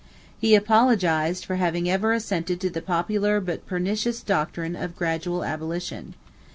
He apologized for having ever "assented to the popular but pernicious doctrine of gradual abolition."